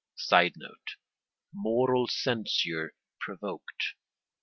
[Sidenote: Moral censure provoked.